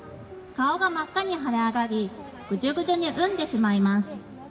顔が真っ赤に腫れ上がり、ぐじゅぐじゅにうんでしまいます。